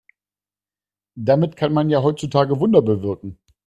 Damit kann man ja heutzutage Wunder bewirken.